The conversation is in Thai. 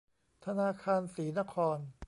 ธนาคารศรีนคร